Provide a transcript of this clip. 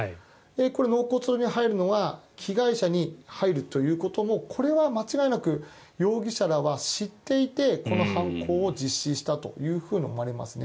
これ、納骨堂に入るのは被害者に入るということもこれは間違いなく容疑者らは知っていてこの犯行を実施したというふうに思われますね。